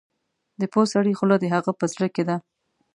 د پوه سړي خوله د هغه په زړه کې ده.